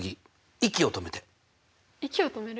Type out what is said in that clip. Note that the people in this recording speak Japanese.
息を止める？